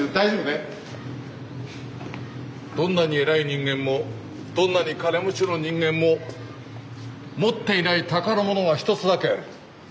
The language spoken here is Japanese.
「どんなに偉い人間もどんなに金持ちの人間も持っていない宝物がひとつだけある。